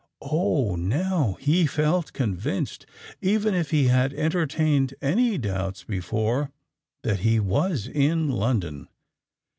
Oh! now he felt convinced—even if he had entertained any doubts before—that he was in London.